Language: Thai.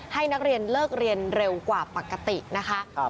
ให้นักเรียนเลิกเรียนเร็วกว่าปกตินะคะ